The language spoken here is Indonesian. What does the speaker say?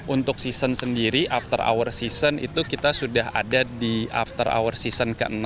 untuk season sendiri after hour season itu kita sudah ada di after hour season ke enam